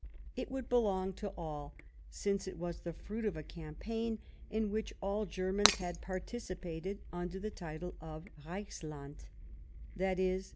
It would belong to all, since it was the fruit of a campaign in which all Germans had participated ; under the title of Eeichsland — that is.